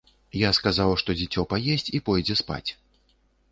Я сказаў, што дзіцё паесць і пойдзе спаць.